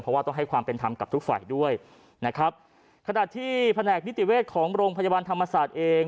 เพราะว่าต้องให้ความเป็นธรรมกับทุกฝ่ายด้วยนะครับขณะที่แผนกนิติเวชของโรงพยาบาลธรรมศาสตร์เอง